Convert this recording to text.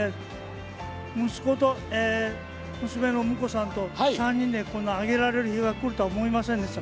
息子と、娘のお婿さんと３人で揚げられる日がくるとは思いませんでした。